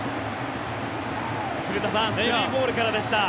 古田さん、３ボールからでした。